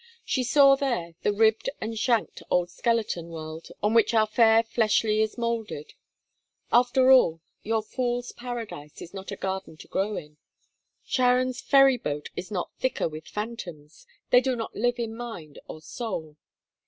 She saw there the ribbed and shanked old skeleton world on which our fair fleshly is moulded. After all, your Fool's Paradise is not a garden to grow in. Charon's ferry boat is not thicker with phantoms. They do not live in mind or soul.